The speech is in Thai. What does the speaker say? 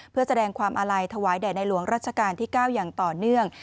เพื่อแสดงความอาลัยถวายแด่ในหลวงรัชกาลที่๙อย่างต่อเนื่อง